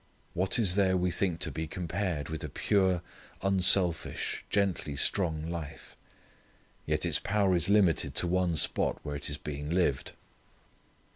What is there we think to be compared with a pure, unselfish, gently strong life. Yet its power is limited to one spot where it is being lived.